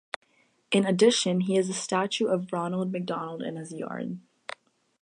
In addition, he has a statue of Ronald McDonald in his yard.